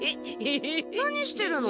何してるの？